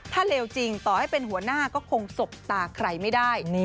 ถ้าเลวจริงต่อให้เป็นหัวหน้าก็คงสบตาใครไม่ได้